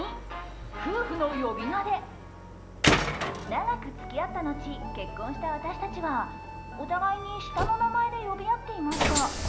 長く付き合った後結婚した私たちはお互いに下の名前で呼び合っていました。